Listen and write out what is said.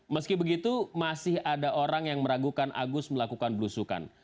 meski begitu masih ada orang yang meragukan agus melakukan belusukan